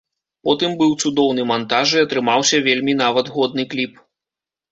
Потым быў цудоўны мантаж і атрымаўся вельмі нават годны кліп.